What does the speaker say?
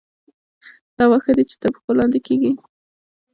دا واښه دي چې تر پښو لاندې کېږي.